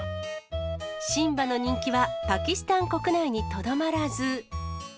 シンバの人気はパキスタン国内にとどまらず。